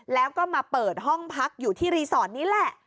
แล้วก็มาเปิดห้องพักอยู่ที่รีสอร์ทนี้แหละ